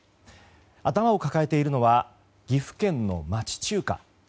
頭を抱えているのは岐阜県の町中華。